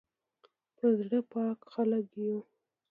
په زړه پاک خلک یو